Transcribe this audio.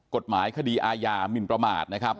กฎหมายคดีอาญามินประมาทนะครับ